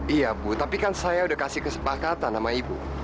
iya bu tapi kan saya udah kasih kesepakatan sama ibu